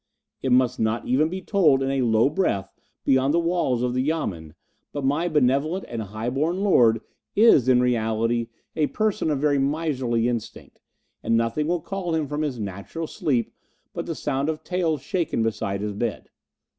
It must not even be told in a low breath beyond the walls of the Yamen, but my benevolent and high born lord is in reality a person of very miserly instinct, and nothing will call him from his natural sleep but the sound of taels shaken beside his bed.